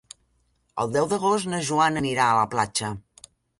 El deu d'agost na Joana anirà a la platja.